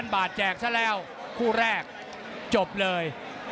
๐บาทแจกซะแล้วคู่แรกจบเลย